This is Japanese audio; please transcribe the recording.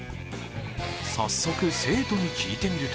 早速、生徒に聞いてみると